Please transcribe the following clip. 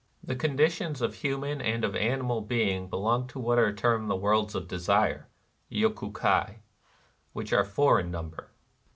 The conditions of human and of animal being belong to what are termed the Worlds of Desire QYoku JTaiy, — which are four in NIRVANA 243 number.